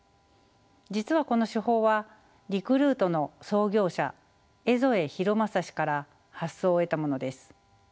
実はこの手法はリクルートの創業者江副浩正氏から発想を得たものです。